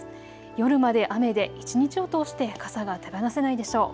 夜まで雨で一日を通して傘が手放せないでしょう。